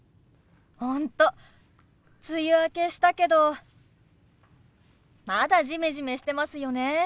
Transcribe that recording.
本当梅雨明けしたけどまだジメジメしてますよね。